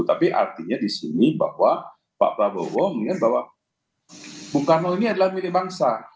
tapi artinya di sini bahwa pak prabowo mengingat bahwa bung karno ini adalah milik bangsa